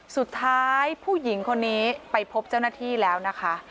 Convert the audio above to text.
สุดท้ายผู้หญิงคนนี้ไปพบเจ้าหน้าที่แล้วนะคะ